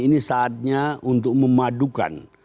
ini saatnya untuk memadukan